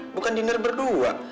bukan dinner berdua